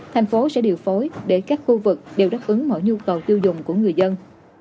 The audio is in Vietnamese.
thành phố sẽ điều phối để các khu vực đều đáp ứng mọi nhu cầu tiêu dùng của người dân